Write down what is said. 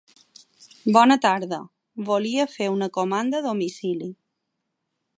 Bona tarda, volia fer una comanda a domicili.